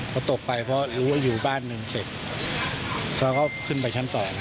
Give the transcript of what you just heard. พอตกไปเพราะรู้ว่าอยู่บ้านหนึ่งเสร็จเขาก็ขึ้นไปชั้น๒